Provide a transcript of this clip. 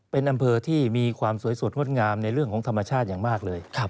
เป็นอำเภอที่มีความสวยสดงดงามในเรื่องของธรรมชาติอย่างมากเลย